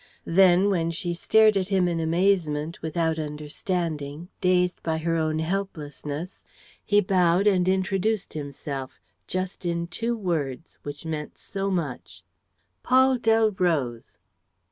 Then, when she stared at him in amazement, without understanding, dazed by her own helplessness, he bowed and introduced himself, just in two words, which meant so much: "Paul Delroze."